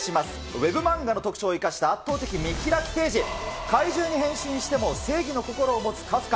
ウェブマンガの特徴を生かした圧倒的見開きページ、怪獣に変身しても正義の心を持つカフカ。